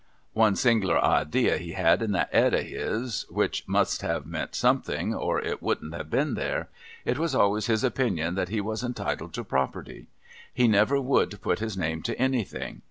One sing'ler idea he had in that Ed of his, which must have meant something, or it wouldn't have been there. It was always his opinion that he was entitled to property. He never would put his name to anything.